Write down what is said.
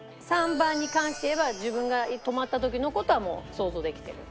３番に関して言えば自分が泊まった時の事はもう想像できてる。